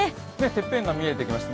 てっぺんが見えてきました。